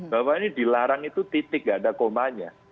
bahwa ini dilarang itu titik gak ada komanya